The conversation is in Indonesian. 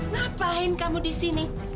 ngapain kamu di sini